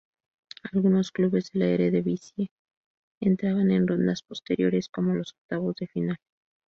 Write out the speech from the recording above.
Algunos clubes de la Eredivisie entraban en rondas posteriores, como los octavos de final.